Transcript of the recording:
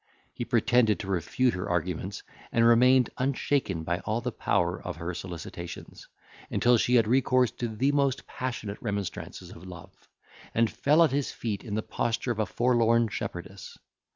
He pretended to refute her arguments, and remained unshaken by all the power of her solicitations, until she had recourse to the most passionate remonstrances of love, and fell at his feet in the posture of a forlorn shepherdess.